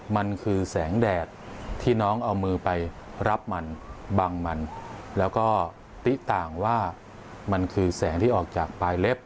มันคือแสงแดดที่น้องเอามือไปรับมันบังมันแล้วก็ติ๊ต่างว่ามันคือแสงที่ออกจากปลายเล็บ